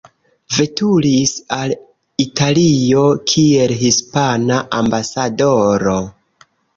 Veturis al Italio kiel hispana ambasadoro.